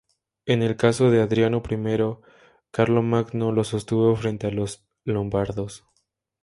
En el caso de Adriano I, Carlomagno lo sostuvo frente a los lombardos.